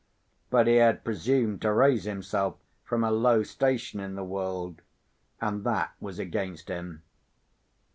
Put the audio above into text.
But he had presumed to raise himself from a low station in the world—and that was against him.